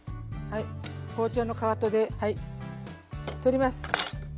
包丁のかかとで取ります。